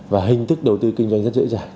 và hình thức đầu tư kinh doanh rất dễ dàng